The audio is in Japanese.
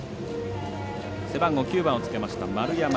背番号９番を着けました、丸山。